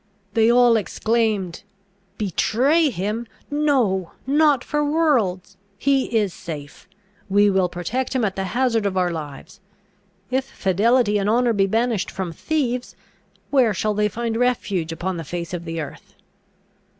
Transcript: They all exclaimed, "Betray him! No, not for worlds! He is safe. We will protect him at the hazard of our lives. If fidelity and honour be banished from thieves, where shall they find refuge upon the face of the earth?"